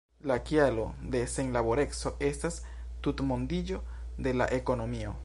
La kialo de senlaboreco estas tutmondiĝo de la ekonomio.